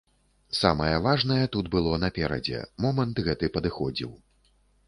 Самае важнае тут было наперадзе, момант гэты падыходзіў.